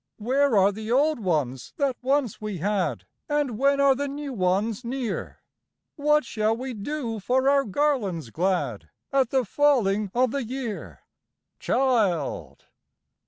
Where are the old ones that once we had, And when are the new ones near? What shall we do for our garlands glad At the falling of the year?" "Child!